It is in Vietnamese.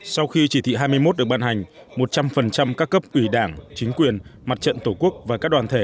sau khi chỉ thị hai mươi một được ban hành một trăm linh các cấp ủy đảng chính quyền mặt trận tổ quốc và các đoàn thể